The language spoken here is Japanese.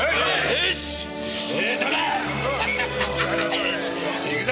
よし行くぞ！